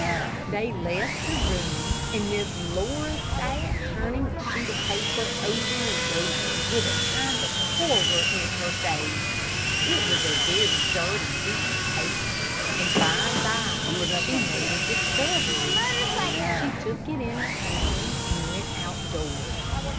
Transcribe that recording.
They left the room, and Miss Laura sat turning the sheet of paper over and over, with a kind of horror in her face. It was a very dirty piece of paper, but by and by she made a discovery. She took it in her hand and went out doors.